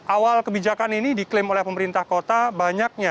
awal kebijakan ini diklaim oleh pemerintah kota banyaknya